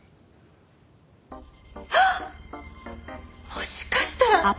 もしかしたら。